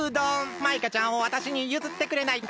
マイカちゃんをわたしにゆずってくれないか？